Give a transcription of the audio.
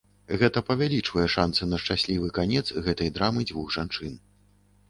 Гэта павялічвае шанцы на шчаслівы канец гэтай драмы дзвюх жанчын.